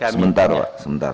sebentar wak sebentar